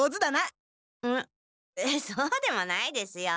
そうでもないですよ。